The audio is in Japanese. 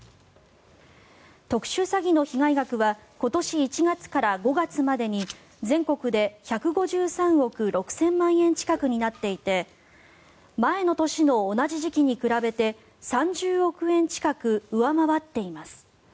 特殊詐欺の被害額は今年１月から５月までに全国で１５３億６０００万円近くになっていて前の年の同じ時期に比べて３０億円近く上回っています。